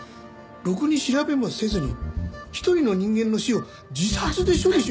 ろくに調べもせずに一人の人間の死を自殺で処理しろと。